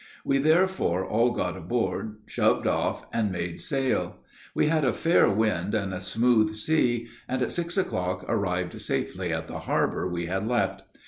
We therefore all got aboard, shoved off, and made sail. We had a fair wind, and a smooth sea, and at six o'clock arrived safely at the harbor we had left.